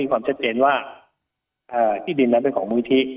ความชัดเจนว่าที่ดินนั้นเป็นของมูลิธิ